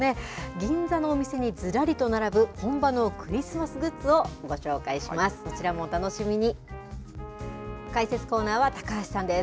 銀座のお店にずらりと並ぶ、本場のクリスマスグッズをご紹介します。